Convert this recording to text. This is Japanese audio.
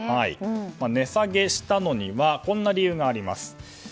値下げしたのにはこんな理由があります。